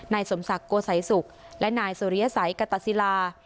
นายสมศักดิ์โกสัยสุขและนายสุริยสัยกตศิลา